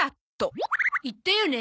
言ったよね？